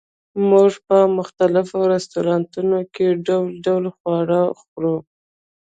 موږ په مختلفو رستورانتونو کې ډول ډول خواړه خورو